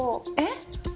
えっ？